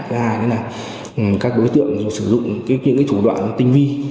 thứ hai nữa là các đối tượng sử dụng những thủ đoạn tinh vi